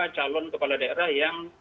dua ratus dua calon kepala daerah yang